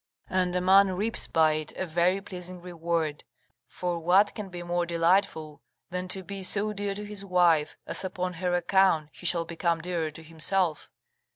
And a man reaps by it a very pleasing reward; for what can be more delightful than to be so dear to his wife, as upon her account he shall become dearer to himself?